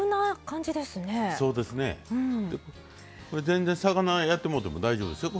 全然魚やってもうても大丈夫ですよ